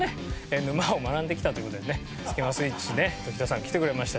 沼を学んできたという事でねスキマスイッチのね常田さん来てくれました。